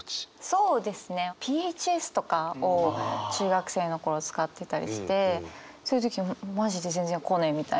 そうですねＰＨＳとかを中学生の頃使ってたりしてそういう時マジで全然来ねえみたいな。